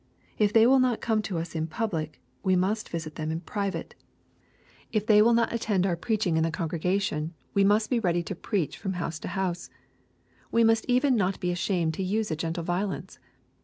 If they will not come to us in public, we must visit them in private. If they will not attend LUKE, CHAJ XIV. 163 oir preacliing in the coDgregation, we must be leadj to preach from house to house. We must even not be ashamed to use a gentle violence.